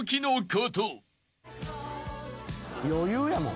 余裕やもん。